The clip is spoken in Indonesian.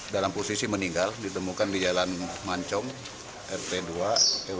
dalam posisi meninggal ditemukan di jalan mancong rt dua rw